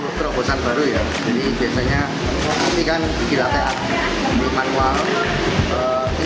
ini perobosan baru ya ini biasanya kopi kan gigi late bukan warna